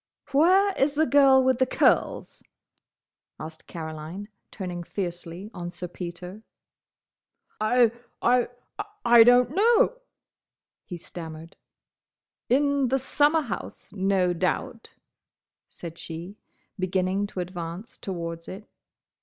"Where is the girl with the curls?" asked Caroline, turning fiercely on Sir Peter. "I—I—I—don't know," he stammered. "In the summer house, no doubt," said she, beginning to advance towards it.